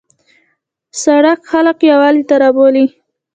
سړک خلک یووالي ته رابولي.